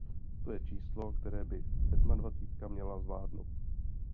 To je číslo, které by sedmadvacítka měla zvládnout.